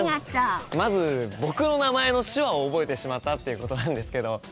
まず僕の名前の手話を覚えてしまったということなんですけどいや